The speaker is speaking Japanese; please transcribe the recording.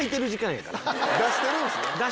出してるんすね。